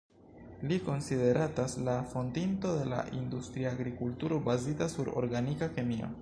Li konsideratas la fondinto de la industria agrikulturo, bazita sur organika kemio.